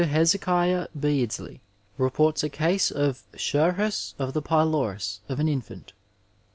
Hezekiah Beaidslej reports a Ccue of SchmhuB of the Pylorus of an Infant.